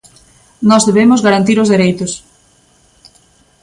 Nós debemos garantir os dereitos.